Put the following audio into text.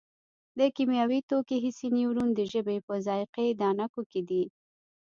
د کیمیاوي توکو حسي نیورون د ژبې په ذایقې دانکو کې دي.